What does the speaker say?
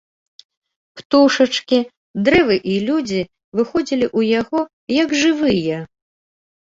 Птушачкі, дрэвы і людзі выходзілі ў яго, як жывыя.